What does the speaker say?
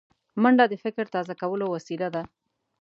منډه د فکر تازه کولو وسیله ده